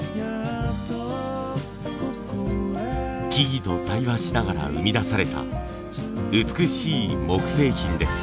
木々と対話しながら生み出された美しい木製品です。